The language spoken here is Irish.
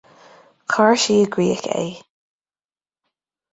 Chuir sí i gcrích é.